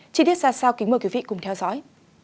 chỉ biết ra sao kính mời quý vị cùng theo dõi